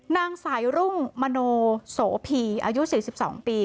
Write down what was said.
นางสายรุ่งมโนโสพีอายุ๔๒ปี